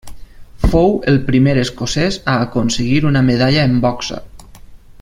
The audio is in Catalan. Fou el primer escocès a aconseguir una medalla en boxa.